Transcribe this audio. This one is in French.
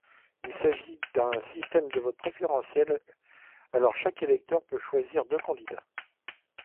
Il s'agit d'un système de vote préférentiel, alors chaque électeur peut choisir deux candidats.